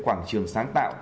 quảng trường sáng tạo